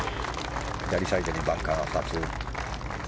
左サイドにバンカーが２つ。